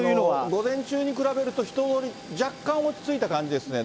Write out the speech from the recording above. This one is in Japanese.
午前中に比べると人、若干落ち着いた感じですね。